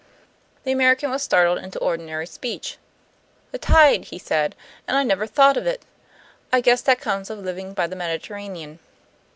The American was startled into ordinary speech. "The tide!" he said. "And I never even thought of it! I guess that comes of living by the Mediterranean."